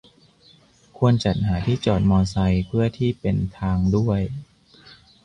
ควรจัดหาที่จอดมอไซค์เพื่อที่เป็นทางด้วย